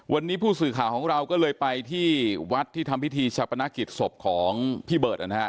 วันนี้ผู้สื่อข่าวของเราก็เลยไปที่วัดที่ทำพิธีชาปนกิจศพของพี่เบิร์ตนะฮะ